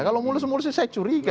kalau mulus mulus saya curiga